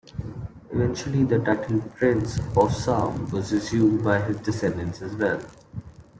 Eventually, the title Prince of Salm was assumed by his descendants as well.